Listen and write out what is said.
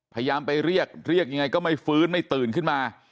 พยายามไปเรียกเรียกยังไงก็ไม่ฟื้นไม่ตื่นขึ้นมา